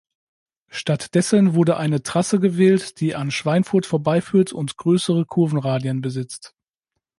Stattdessen wurde eine Trasse gewählt, die an Schweinfurt vorbeiführt und größere Kurvenradien besitzt.